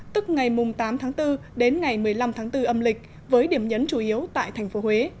tức ngày tám tháng bốn đến ngày một mươi năm tháng bốn âm lịch với điểm nhấn chủ yếu tại thành phố huế